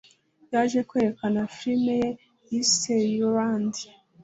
yaje kwerekana filime ye yise ‘Your Land’